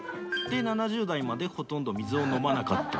「７０代までほとんど水を飲まなかった」